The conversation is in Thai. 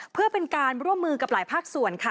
เพื่อเป็นการร่วมมือกับหลายภาคส่วนค่ะ